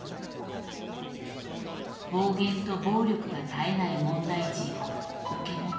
暴言と暴力が絶えない問題児を受け持った。